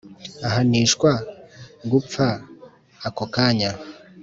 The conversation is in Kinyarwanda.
ahanishwa gupfaakpo kanya